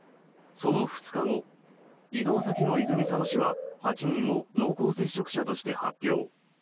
その２日後、移動先の泉佐野市は８人を濃厚接触者として発表。